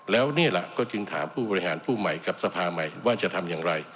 แล้วนี่แหละก็จึงถามผู้บริหารผู้ใหม่กับสภาใหม่ว่าจะทำอย่างไร